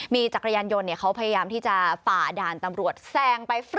มีจักรยานยนต์เขาพยายามที่จะฝ่าด่านตำรวจแซงไป